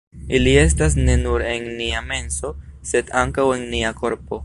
Ili estas ne nur en nia menso, sed ankaŭ en nia korpo.